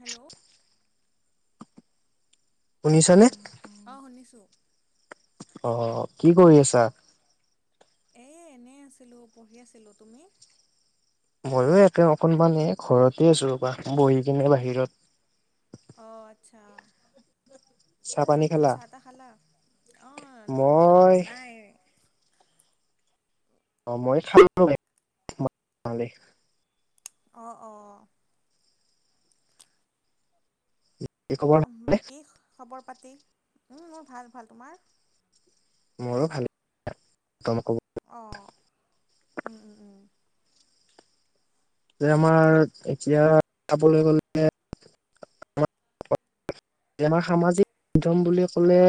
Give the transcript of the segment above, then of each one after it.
Hello. শুনিছানে? Hello অ' শুনিছোঁ। অ', কি কৰি আছা? এই এনেই আছিলোঁ পঢ়ি আছিলোঁ তুমি? ময়ো একে অকনমানে ঘৰতে আছো ৰবি, বহি কিনে বাহিৰত। অ, আচ্ছা। চাহ পানী বাকী খালা? চাহ তাহ খালা? অ মই নাই। অ মই খাম [unintelligible] অঁ, অঁ। বাকী খবৰ ভালনে? বাকী খবৰ পাতি, মোৰ ভাল ভাল তোমাৰ? মোৰো ভাল। [unintelligible] অঁ। উম, উম, উম। যে আমাৰ এতিয়া চাবলৈ গ'লে আমাৰ সামাজিক মাধ্যম বুলি ক'লে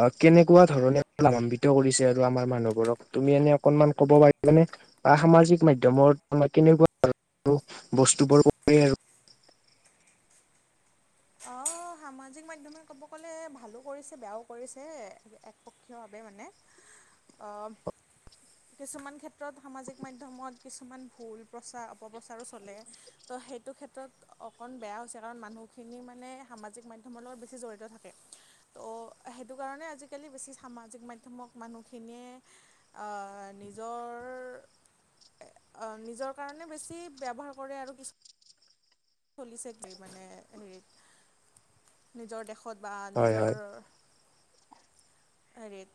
অ, কেনেকুৱা ধৰণে লাভান্বিত কৰিছে আৰু আমাৰ মানুহবোৰক। তুমি এনে অকনমান ক'ব পাৰিবানে? বা সামাজিক মাধ্যমত আম কেনেকুৱা [unintelligible] বস্তুবোৰ কৰে আৰু [inaudible] অঁ, সামাজিক মাধ্যমে ক'ব গ'লে ভালো কৰিছে, বেয়াও কৰিছে একপক্ষীয়ভাৱে মানে। অ। কিছুমান ক্ষেত্ৰত সামাজিক মাধ্যমত কিছুমান ভুল প্ৰচা অপপ্ৰচাৰো চলে। তো সেইটো ক্ষেত্ৰত অকণ বেয়া হৈছে কাৰণ মানুহ খিনি মানে সামাজিক মাধ্যমৰ লগত বেছি জড়িত থাকে। ত' সেইটো কাৰণে আজিকালি বেছি সামাজিক মাধ্যমক মানুহখিনিয়ে আ, নিজৰ নিজৰ কাৰণে বেছি, ব্যৱহাৰ কৰে আৰু কিছু চলিছে কি মানে, হে নিজৰ দেশত। ত বা হয় নিজৰ হয়। হেৰিত।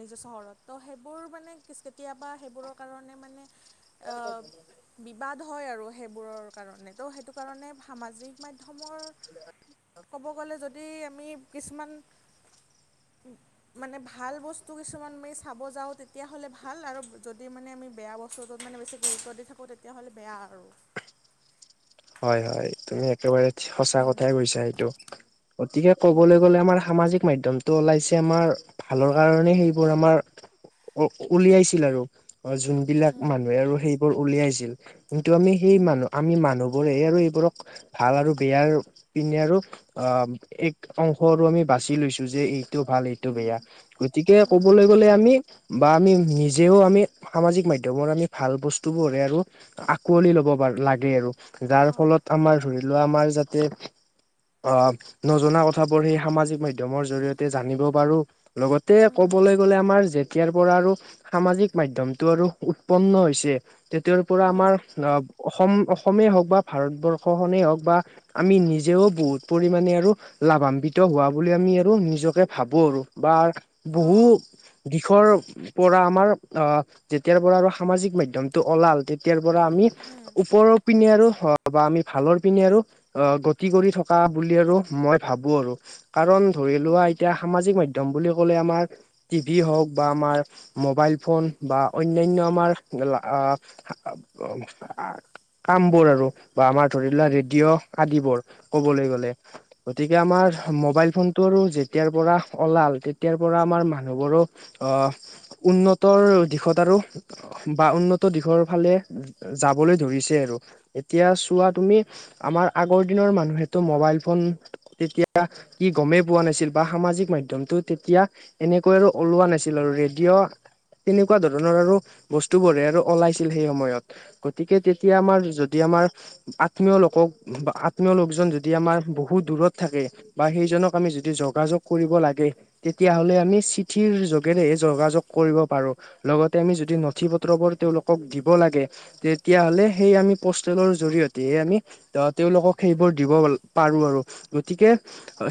নিজৰ চহৰত, ত' সেইবোৰ মানে কেতিয়াবা সেইবোৰৰ কাৰণে মানে বিবাদ হয় আৰু সেইবোৰৰ কাৰণে। ত' সেইটো কাৰণে সামাজিক মাধ্যমৰ ক'ব গ'লে যদি আমি কিছুমান মানে ভাল বস্তু কিছুমান আম চাব যাওঁ তেতিয়া হলে ভাল আৰু, যদি মানে আমি বেয়া বস্তু চত'ত মানে বেছি গুৰুত্ব দি থাকো তেতিয়াহ'লে বেয়া আৰু। হয় হয়। তুমি একেবাৰে সঁচা উম কথাই কৈছা সেইটো। অতিকে উম কবলৈ গলে আমাৰ সামাজিক মাধ্যমত ওলাইছে আমাৰ ভালৰ কাৰণে সেইবোৰ আমাৰ, উলিয়াইছিল আৰু। অ যোন বিলাক উম মানুহে আৰু সেইবোৰ উলিয়াইছিল, কিন্তু আমি সেই উম মানুহ আমি মানুহ বোৰে আৰু এইবোৰক ভাল আৰু বেয়াৰু পিনে আৰু অ এক অংশ আৰু আমি বাচি লৈছো যে' এই এইটো ভাল, এইটো উম বেয়া গতিকে' উম ক'বলৈ গ'লে আমি বা আমি নিজেও আমি সামাজিক মাধ্যমৰ আমি ভাল বস্তু বোৰহে আৰু আকোৱালি ল'ব প লাগে আৰু। যাৰ অঁ ফলত আমাৰ ধৰি লোৱা আমাৰ যাতে অ নজনা কথাবোৰ সেই সামাজিক মাধ্যমৰ জৰিয়তে জানিব পাৰো, লগতে উম ক'বলৈ গ'লে আমাৰ যেতিয়াৰ পৰা আৰু সামাজিক মাধ্যমটো আৰু উৎপন্ন হৈছে। তেতিয়াৰ পৰা উম আমাৰ আহ অসম অসমেই হওক বা ভাৰতবৰ্ষখনেই হওক বা আমি নিজেও বহুত পৰিমাণে আৰু লাভান্বিত হোৱা বুলি আমি আৰু নিজকে ভাবো আৰু বা বহু অঁ দিশৰ পৰা আমাৰ অ যেতিয়াৰ পৰা আৰু সামাজিক মাধ্যমটো ওলাল তেতিয়াৰ পৰা আমি উম ওপৰৰ পিনে আৰু বা আমি ভালৰ পিনে আৰু অ গতি কৰি থকা বুলি আৰু মই ভাবো আৰু। কাৰণ ধৰি উম লোৱা উম এতিয়া উম সামাজিক মাধ্যম ধ্যম বুলি ক'লে আমাৰ টি ভি হওক বা আমাৰ মোবাইল ফোন বা অন্যান্য আমাৰ কাম বোৰ আৰু বা আমাৰ ধৰি লোৱা উম ৰেডিঅ' আদিবোৰ কবলৈ গ'লে। গতিকে আমাৰ অঁ মোবাইল ফোনটো আৰু যেতিয়াৰ পৰা ওলাল হ'ল তেতিয়াৰ পৰা আমাৰ মানুহবোৰো আহ উন্নতৰ দিশত আৰু বা উন্নত দিশৰ ফালে যাবলৈ ধৰিছে। চোৱা তুমি আমাৰ আগৰ দিনৰ মানুহেটো মোবাইল ফোন তেতিয়া কি গমেই পোৱা নাছিল বা সামাজিক মাধ্যমটো তেতিয়া এনেকৈ আৰু ওলোৱা নাছিল আৰু ৰেডিঅ' তেনেকুৱা ধৰণৰ আৰু বস্তু বোৰে আৰু ওলাইছিল সেই সময়ত গতিকে তে এতিয়া আমাৰ যদি আমাৰ আত্মীয় লোকক বা আত্মীয় লোকজন যদি আমাৰ বহুত দূৰত থাকে। বা সেইজনক আমি যদি যোগাযোগ কৰিব লাগে। তেতিয়া হলে আমি চিঠিৰ যোগেৰে যোগাযোগ কৰিব পাৰো। লগতে আমি যদি নথি পত্ৰবোৰ তেওঁলোকক দিব লাগে তেতিয়া হলে সেই আমি পষ্টেলৰ জৰিয়তেহে আমি ত তেওঁলোকক সেইবোৰ দিব পাৰো আৰু গতিকে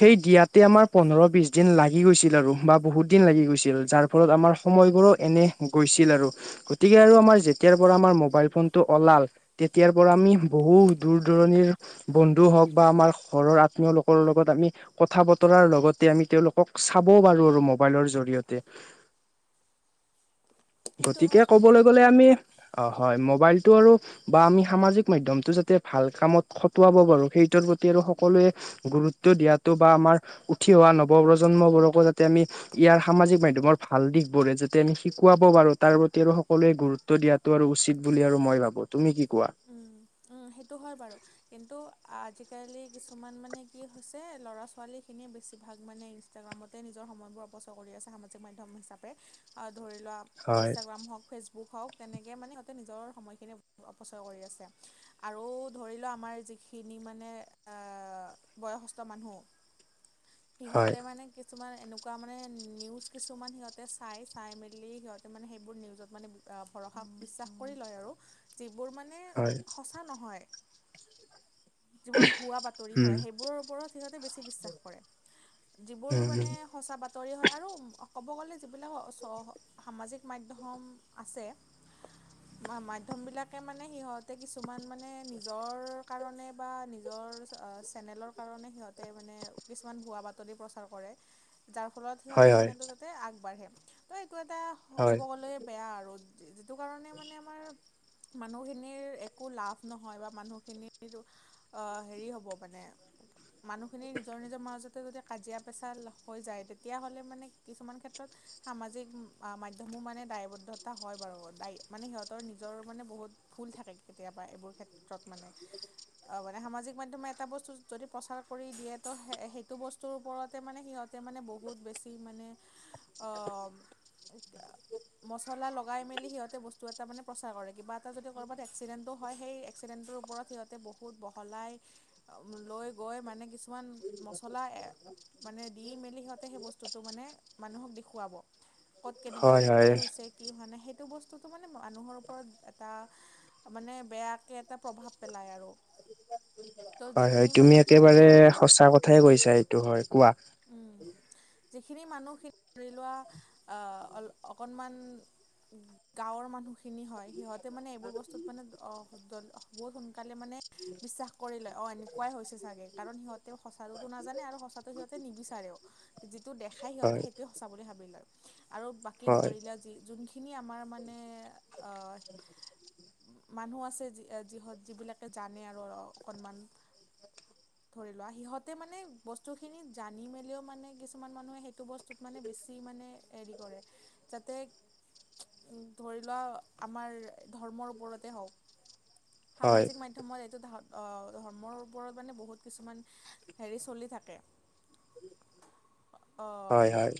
সেই দিয়াতে আমাৰ পোন্ধৰ বিচ দিন লাগি গৈছিল আৰু বা বহুত দিন লাগি গৈছিল যাৰ ফলত আমাৰ সময়বোৰো এনে গৈছিল আৰু গতিকে আৰু আমাৰ যেতিয়াৰ পৰা আমাৰ মোবাইল ফোন টো ওলাল তেতিয়াৰ পৰা আমি বহু দূৰ - দূৰণিৰ বন্ধু হওক বা আমাৰ ঘৰৰ আত্মীয় লোকৰ লগত আমি কথা বতৰাৰ লগতে আমি তেওঁলোকক চাবও পাৰো আৰু মোবাইলৰ জৰিয়তে [unintelligible] গতিকে হয় ক'বলৈ গ'লে আমি অ, হয় মোবাইলটো আৰু বা আমি সামাজিক মাধ্যমটো যাতে ভাল কামত খটুৱাব পাৰো সেইটোৰ প্ৰতি আৰু সকলোৱে গুৰুত্ব দিয়াটো বা আমাৰ উঠি অহা নৱপ্ৰজন্মবোৰকো যাতে আমি ইয়াৰ সামাজিক মাধ্যমৰ ভাল দিশ বোৰে যাতে আমি শিকুৱাব পাৰো তাৰ প্ৰতি আমি সকলোৱে গুৰুত্ব দিয়াত টো আৰু উচিত বুলি আৰু মই ভাবো তুমি কি কোৱা? অ, সেইটো হয় বাৰু। কিন্তু আজিকালি কিছুমান মানে কি হৈছে ল'ৰা ছোৱালীখিনি বেছিভাগ মানে ইনষ্টাগ্ৰামতে নিজৰ সময়বোৰ অপচয় কৰি আছে সামাজিক মাধ্যম হিচাপে ধৰি লোৱা হয় ইনষ্টাগ্ৰাম হওক ফেচবুক হওক তেনেকে মানে সিহঁতে নিজৰ সময়খিনি অপচয় কৰি আছে। আৰু ধৰি লওক আমাৰ যিখিনি মানে বয়সস্থ মানুহ হয় সিহঁতে মানে কিছুমান এনেকুৱা মানে নিউজ কিছুমান সিহঁতে চাই চাই মেলি সিহঁতে মানে সেইবোৰ নিউজত মানে ভৰসা বিশ্বাস কৰি লয় আৰু যিবোৰ মানে হয়। এ নহয় যিবোৰ ভুৱা-বাতৰি হয় উম, সেইবোৰৰ ওপৰত সিহঁতে বেছি বিশ্বাস কৰে যিবোৰ উম, মানে উম, সঁচা বাতৰি হয় আৰু ক'ব গ'লে যিবিলাক চ সামাজিক মাধ্যম আছে মাধ্যম বিলাকে মানে সিহঁতে কিছু কিছুমান মানে নিজৰ কাৰণে বা নিজৰ চেনেলৰ কাৰণে সিহঁতে মানে কিছুমান ভুৱা বাতৰি প্ৰচাৰ কৰে। যাৰ ফলত হয়, সিহঁতৰ হয়, চেনেলটো যাতে আগবাঢ়ে তো এইটো এটা ক'ব হয়, গ'লে বেয়া আৰু। যিটো কাৰণে মানে আমাৰ মানুহখিনিৰ এক একো লাভ নহয় বা মানুহখিনিৰ হেৰি হ'ব মানে মানুহখিনিৰ নিজৰ- নিজৰ মাজতে যদি কাজিয়া পেচাল হৈ যায় তেতিয়াহ'লে মানে কিছুমান ক্ষেত্ৰত সামাজিক মাধ্যমো মানে দায়বদ্ধতা হয় বাৰু দায়ী মানে সিহঁতৰ নিজৰ মানে বহুত ভুল থাকে কেতিয়াবা এইবোৰ ক্ষেত্ৰত মানে। অ, মানে সামাজিক মাধ্যমে এটা বস্তু যদি প্ৰচাৰ কৰি দিয়ে তো সে -সেইটো বস্তু তোৰ ওপৰতে মানে সিহঁতে মানে বহুত বেছি মানে অ, ম মচলা লগাই মেলি সিহঁতে বস্তু এটা মানে প্ৰচাৰ কৰে কিবা এটা যদি ক'ৰবাত এক্স এক্সিদেণ্টো হয় হেই একচিদেণ্টোৰ ওপৰত বহুত বহলাই লৈ গৈ মানে কিছু কিছুমান মচলা মানে দি মেলি সিহঁতে সেই বস্তুটো মানে মানুহক দেখুৱাব ক'ত হয়, কেনেকুৱাকৈ হয়, কি হৈছে কি হোৱা নাই সেইটো বস্তুটো মানে মানুহৰ ওপৰত এটা মানে বেয়াকে এটা প্ৰভাৱ পেলাই আৰু। তো হয়- হয় যিখিনি তুমি একেবাৰে সঁচা কথাই কৈছা এইটো হয় কোৱা। উম, যিখিনি মানুহ খিনি ধৰি লোৱা অ, অকণমান গাঁৱৰ মানুহখিনি হয় সিহঁতে মানে এইবোৰ বস্তুত [unintelligible] বহুত সোনকালে মানে বিশ্বাস কৰিলে অ, এনে এনেকুৱাই হৈছে চাগে কাৰণ সিহঁতে সঁচাটোতো নাজানে আৰু সঁচাটো সিহঁতে নিবিচাৰেওঁ। যিটো দেখায় সিহঁতে হয়, সেইটোৱে সঁচা বুলি ভাবি লয় আৰু বাকী হয়, ধৰি লোৱা যি জোনখি খিনি আমাৰ মানে আহ [inaudible] মানুহ আছে যি যিহত যিবিলাকে জানে আৰু অকণমান। ধৰি লোৱা সিহঁতে মানে বস্তু খিনি জানি মেলিও মানে কিছুমান মানুহে সেইটো বস্তু কিছুমানে বেছি মানে এৰি কৰে যাতে উম, ধৰি ল আমাৰ ধৰ্মৰ ওপৰতে হওঁক হয়, হয়, সামাজিক মাধ্য ধমত এইটো ধ অ, ধৰ্মৰ ওপৰত মানে বহুত কিছুমান হেৰি চলি থাকে। [inaudible] অ', হয়, হয়,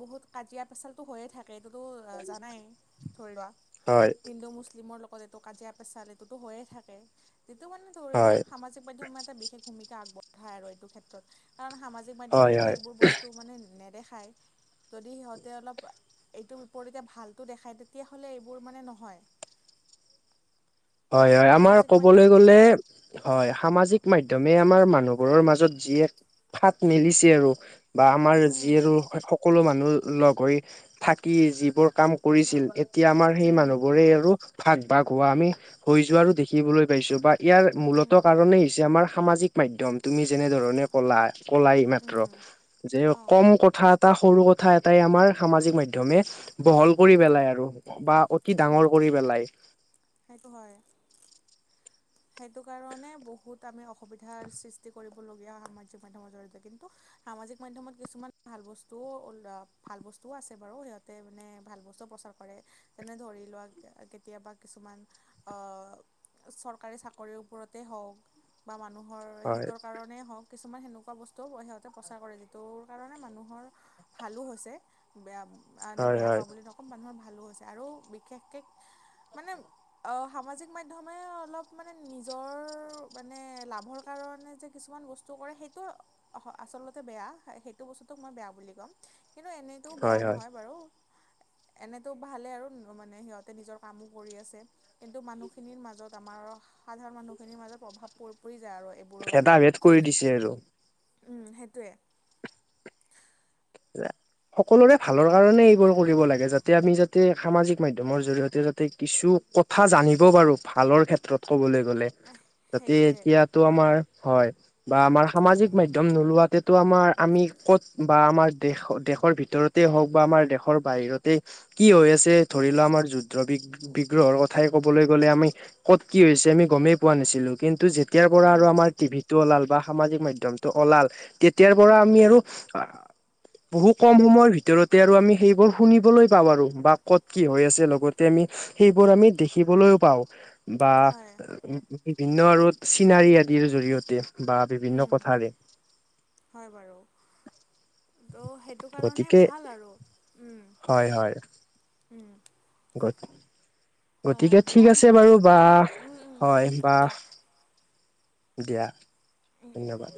বহুত কাজিয়া পেচালতো হৈয়ে থাক এইটোতো জানাই ধৰি লোৱা হয়, হিন্দু মুছলিমৰ লগত ত কাজিয়া পেচাল এইটোতো হৈয়ে থাকে যিটো মানে ধৰি লোৱা হয়, সামাজিক মাধ্যম এটা বিশেষ ভূমিকা আগবঢ়ায় আৰু এইটো ক্ষেত্ৰত কাৰণ সামাজিক মাধ্যমে হয়, যদি হয়। এইবোৰ বস্তু মানে নেদেখায় যদি সিহঁতে অলপ এইটোৰ বিপৰীতে ভালটো দেখায় তেতিয়াহ'লে এইবোৰ মানে নহয়। হয় - আৰু হয় আমাৰ সামাজিক মাধ্যম ক'বলৈ গ'লে হয় সামাজিক মাধ্যমে আমাৰ মানুহবোৰৰ মাজত যি এক ফাট মেলিছে আৰু বা আমাৰ উম যি আৰু সক সকলো মানুহ লগ হৈ থাকি যিবোৰ কাম কৰিছিল এত এতিয়া আমাৰ সেই মানুহ উম বোৰেই আৰু ভাগ- ভাগ হোৱা আমি হৈ যোৱা আৰু দেখিবলৈ পাইছো বা ইয়াৰ মূলত উম কাৰণেই হৈছে আমাৰ সামাজিক মাধ্যম তুমি যেনেধৰণে কলা- কলা এইমাত্ৰ উম যে অঁ কম কথাত এটা সৰু কথা এটাই আমাৰ সামাজিক মাধ্যমে বহল কৰি পেলাই আৰু। বা অতি ডাঙৰ কৰি পেলাই। সেইটো হয়। সেইটো কাৰণে বহুত আমি অসুবিধাৰ সৃষ্টি কৰিবলগীয়া হয় সামাজিক মাধ্যমৰ জৰিয়তে কিন্তু সামাজিক মাধ্যমত কিছুমান ভাল বস্তুও উল ভাল বস্তুও আছে বাৰু সিহঁতে মানে ভাল বস্তু প্ৰচাৰ কৰে যেনে ধৰি লোৱা কে কেতিয়াবা কিছুমান অ, চৰ কাৰী চাকৰিৰ ওপৰতেই হওক বা মানুহৰ হয় শীতৰ কাৰণ মানে হওক কিছুমান সেনেকুৱা বস্তুও সিহঁতে প্ৰচাৰ কৰে যিটো কাৰণে মানুহৰ ভালো হৈছে বয়া মানে হয় বেয়া হয় হোৱা বুলি নক মানুহৰ ভালো হৈছে আৰু বিশেষকে মানে সামাজিক মাধ্যমে অলপ মানে নিজৰ মানে লাভৰ কাৰণে যে কিছুমান বস্তু কৰে সেইটো অস আচলতে বেয়া সেইটো বস্তুটোক মই বেয়া বুলি ক'ম। কিন্তু এনেইতটো বেয়া হয় হয় নহয় বাৰু। এনেতো ভালে আৰু মানে সিহঁতে নিজৰ কামো কৰি আছে কিন্তু মানুহখিনিৰ মাজত আমাৰ সাধাৰণ মানুহখিনিৰ মাজত প্ৰভাৱ পৰি পৰি যায় আৰু এইবোৰৰ ভেদা ভেদ ওপৰত। কৰি দিছে আৰু উম সেইটোৱে। [inaudible] সকলোৰে ভালৰ কাৰণে এইবোৰ কৰিব লাগে যাতে আমি যাতে সামাজিক মাধ্যমৰ জৰিয়তে যাতে কিছু কথা জানিব পাৰো ভালৰ ক্ষেত্ৰত ক'বলৈ গ'লে। এহ। যাতে এতিয়াতো আমাৰ হয়, বা আমাৰ সামাজিক মাধ্যম নোলোৱাতে ত' আমাৰ আমি ক'ত বা আমাৰ দেশ-দেশৰ ভিতৰতে হওঁক বা আমাৰ দেশৰ বাহিৰতেই কি হৈ আছে ধৰি লোৱা আমাৰ যুদ্ধ বিগ বিগ্ৰহৰ কথাই ক'বলৈ গ'লে আমি, ক'ত কি হৈছে আমি গমেই পোৱা নাছিলো কিন টো যেতিয়াৰ পৰা উম আৰু আমাৰ টিভিটো ওলাল বা সামাজিক মাধ্যমটো ওলাল, তেতিয়াৰ পৰা উম আমি আৰু বহু কম সময়ৰ ভিতৰতে আৰু আমি সেইবোৰ শুনিবলৈ পাওঁ, আৰু বা ক'ত কি হৈ আছে লগতে আমি সেইবোৰ আমি দেখিবলৈও পাওঁ। বা, হয় বিভিন্ন আৰু চিনাৰী আদিৰ জৰিয়তে, বা বিভিন্ন উম কথাৰে। হয় বাৰু। ত' সেইটো কাৰণে গতিকে ভাল আৰু উম উম, অ গত-গতিকে ঠিক দিয়া আছে নহ'লে বাৰু বা, উম উম হয় বা। দিয়া দিয়া, উম উম। ধন্যবাদ।